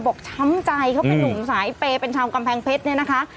ช้ำใจเขาเป็นนุ่มสายเปย์เป็นชาวกำแพงเพชรเนี่ยนะคะ